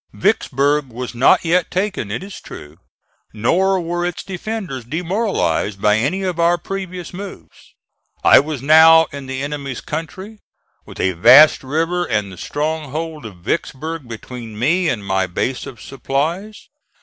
Vicksburg was not yet taken it is true, nor were its defenders demoralized by any of our previous moves. I was now in the enemy's country, with a vast river and the stronghold of Vicksburg between me and my base of supplies.